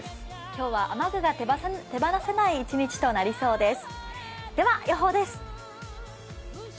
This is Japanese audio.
今日は雨具が手放せない一日となりそうです。